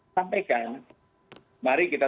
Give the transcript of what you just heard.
sampaikan mari kita